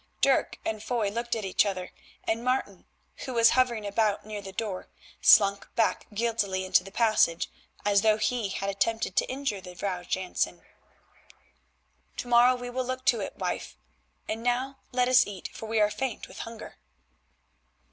Dirk and Foy looked at each other, and Martin, who was hovering about near the door, slunk back guiltily into the passage as though he had attempted to injure the Vrouw Jansen. "To morrow we will look to it, wife. And now let us eat, for we are faint with hunger."